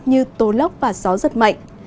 như tố lốc và gió rất mạnh